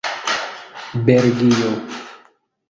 belgio